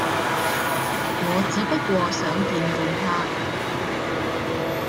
我只不過想見見她